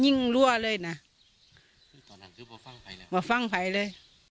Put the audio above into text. ยิ่งรั่วเลยน่ะว่าฟังไปเลย